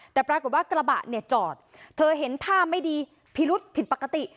แต่ปรากฏว่ากระบะเนี่ยจอดเธอเห็นท่าไม่ดีพิรุษผิดปกติ